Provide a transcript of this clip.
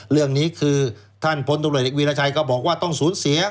เรื่องนี้คือท่านพลตำรวจเอกวีรชัยก็บอกว่าต้องสูญเสีย